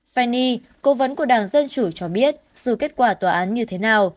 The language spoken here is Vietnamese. feni cố vấn của đảng dân chủ cho biết dù kết quả tòa án như thế nào